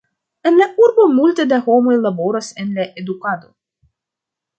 En la urbo multe da homoj laboras en la edukado.